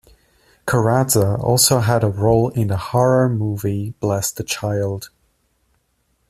Corazza also had a role in the horror movie "Bless the Child".